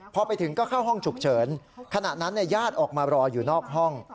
พอไปถึงก็เข้าห้องฉุกเฉินขณะนั้นญาติออกมารออยู่นอกห้อง